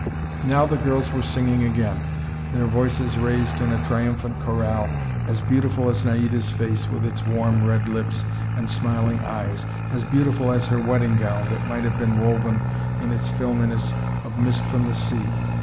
Now the girls were singing again, their voices raised in a triumphant chorale as beautiful as Naida's face with its warm red lips and smiling eyes, as beautiful as her wedding gown that might have been woven, in its filminess, of mist from the sea.